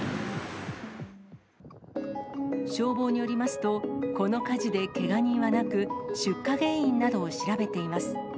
消防によりますと、この火事でけが人はなく、出火原因などを調べています。